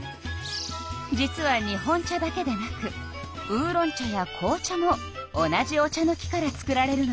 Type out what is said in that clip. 実は日本茶だけでなくウーロン茶や紅茶も同じお茶の木から作られるのよ。